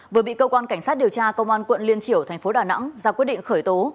vừa bị cơ quan cảnh sát điều tra công an quận liên triểu thành phố đà nẵng ra quyết định khởi tố